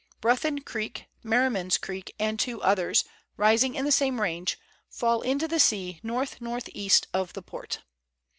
Bruthen Creek, Merriman's Creek, and two others, rising in the same range, fall into the sea north north east of the Port.